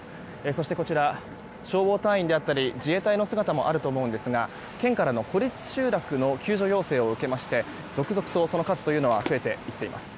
そして、こちら消防隊員や自衛隊の姿もあると思いますが県からの孤立集落の救助要請を受けまして続々とその数は増えていっています。